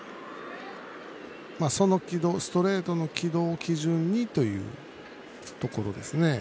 そのストレートの軌道を基準にというところですね。